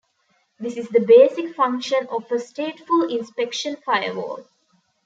This is the basic function of a stateful inspection firewall.